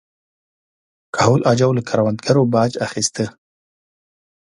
کهول اجاو له کروندګرو باج اخیسته.